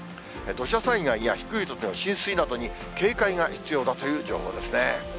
土砂災害や低い土地の浸水などに警戒が必要だという情報ですね。